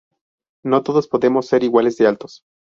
No todos podemos ser iguales de altos